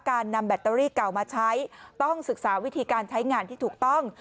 การนำแบตเตอรี่เก่ามาใช้ต้องศึกษาวิธีการใช้งานที่ถูกต้อง